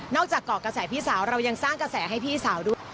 จากเกาะกระแสพี่สาวเรายังสร้างกระแสให้พี่สาวด้วย